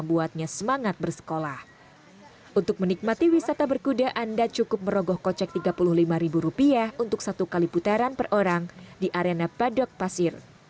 untuk menikmati wisata berkuda anda cukup merogoh kocek rp tiga puluh lima untuk satu kali putaran per orang di arena badok pasir